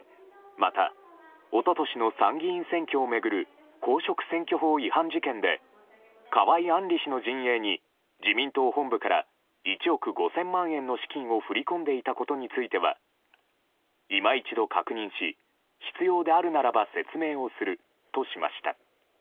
また、一昨年の参議院選挙を巡る公職選挙法違反事件で河井案里氏の陣営に自民党本部から１億５０００万円の資金を振り込んでいたことについては今一度確認し、必要であるならば説明をするとしました。